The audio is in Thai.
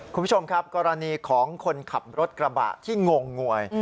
คุณผู้ชมครับกรณีของคนขับรถกระบะที่งงงวย